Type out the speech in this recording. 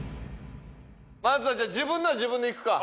まずはじゃあ自分のは自分でいくか。